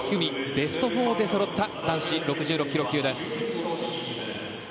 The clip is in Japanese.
ベスト４でそろった男子６６ｋｇ級です。